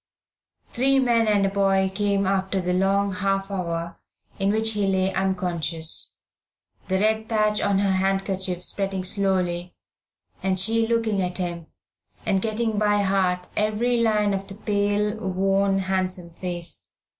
Three men and a boy came after the long half hour in which he lay unconscious, the red patch on her handkerchief spreading slowly, and she looking at him, and getting by heart every line of the pale, worn, handsome face.